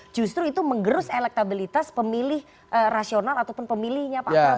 justru itu menggerus elektabilitas pemilih rasional ataupun pemilihnya pak prabowo